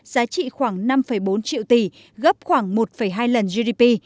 giá trị khoảng năm bốn triệu tỷ gấp khoảng một hai lần gdp